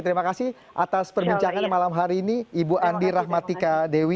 terima kasih atas perbincangannya malam hari ini ibu andi rahmatika dewi